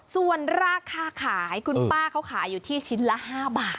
ส่วนราคาขายคุณป้าเขาขายอยู่ที่ชิ้นละ๕บาท